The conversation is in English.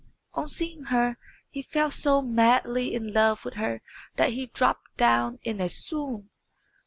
On seeing her he fell so madly in love with her that he dropped down in a swoon.